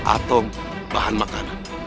atau bahan makanan